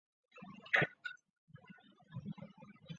让人民群众感受到司法办案的理性平和、客观公正